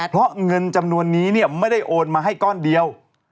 เพราะเงินจำนวนนี้ไม่ได้โอนมาให้ก้อนเดียว